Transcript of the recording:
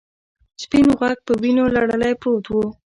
سپین غوږ په وینو لړلی پروت و.